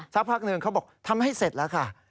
สักพักหนึ่งเขาบอกทำให้เสร็จแล้วค่ะ